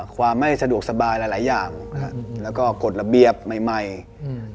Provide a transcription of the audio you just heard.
ความไม่สะดวกสบายหลายหลายอย่างนะฮะแล้วก็กฎระเบียบใหม่ใหม่อืม